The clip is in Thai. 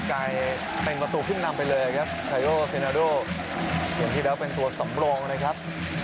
กลายเป็นประตูขึ้นนำไปเลยครับไซโรเซนาโดเกมที่แล้วเป็นตัวสำรองนะครับ